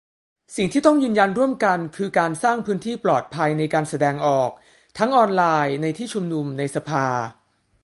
สิ่งที่ต้องยืนยันร่วมกันคือการสร้างพื้นที่ปลอดภัยในการแสดงออก ทั้งออนไลน์ ในที่ชุมนุม ในสภา